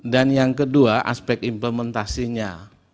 dan yang kedua aspek implementasinya